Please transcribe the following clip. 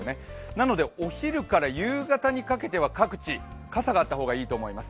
なのでお昼から夕方にかけては各地傘があった方がいいと思います。